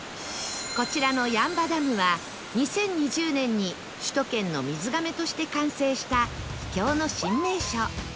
こちらの八ッ場ダムは２０２０年に首都圏の水がめとして完成した秘境の新名所